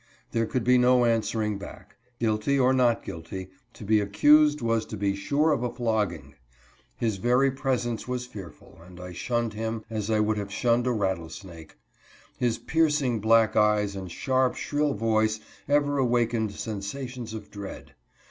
There could be no answering back. Guilty or not guilty, to be accused was to be sure of a flogging. His very presence was fearful, and I shunned him as I would have shunned a rattlesnake. His piercing black eyes and sharp, shrill voice ever awakened sensations of dread.